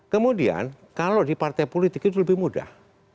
kemudian kalau di partai politik itu lebih mudah